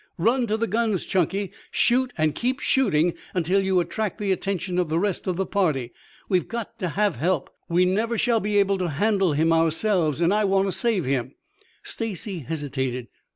"Run to the guns, Chunky. Shoot and keep shooting until you attract the attention of the rest of the party. We've got to have help. We never shall be able to handle him ourselves, and I want to save him." Stacy hesitated.